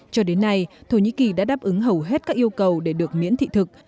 cho đến nay thổ nhĩ kỳ đã đáp ứng hầu hết các yêu cầu để được miễn thị thực